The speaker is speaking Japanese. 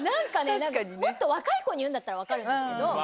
もっと若い子に言うんだったら分かるんですけど。